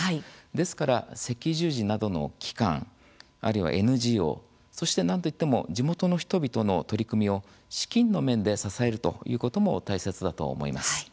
ですから、赤十字などの機関あるいはＮＧＯそして、なんといっても地元の人々の取り組みを資金の面で支えるということも大切だと思います。